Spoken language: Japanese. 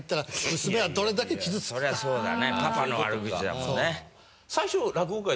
それはそうだねパパの悪口だもんね。